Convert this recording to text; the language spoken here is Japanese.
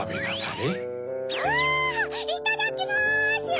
いただきます！